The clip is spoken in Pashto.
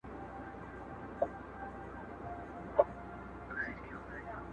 وعده پر رسېدو ده څوک به ځي څوک به راځي،